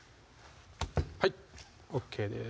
はいＯＫです